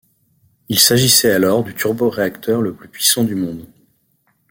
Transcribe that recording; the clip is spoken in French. Il s'agissait alors du turboréacteur le plus puissant du monde.